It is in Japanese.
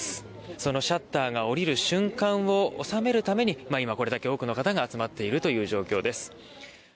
そのシャッターが下りる瞬間を収めるために今、これだけ多くの方が集まっているという状況です。